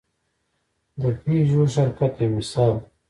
د پيژو شرکت یو مثال دی.